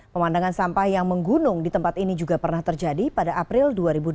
pemandangan sampah yang menggunung di tempat ini juga pernah terjadi pada april dua ribu delapan belas